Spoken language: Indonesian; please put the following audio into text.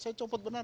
saya copot benar